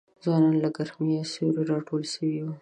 ځوانان له ګرمیه سیوري ته راټول سوي وه